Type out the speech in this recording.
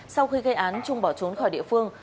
sau khi gây án trung bỏ trốn khỏi địa phương